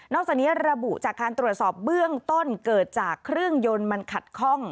จากนี้ระบุจากการตรวจสอบเบื้องต้นเกิดจากเครื่องยนต์มันขัดข้อง